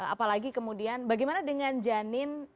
apalagi kemudian bagaimana dengan janin